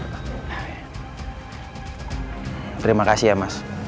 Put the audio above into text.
terima kasih ya mas